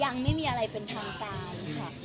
ยังไม่มีอะไรเป็นทางการค่ะ